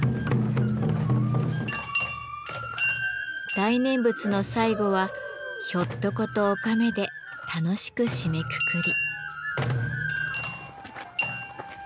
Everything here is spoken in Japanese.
大念仏の最後はひょっとことおかめで楽しく締めくくり。